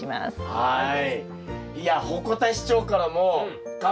はい。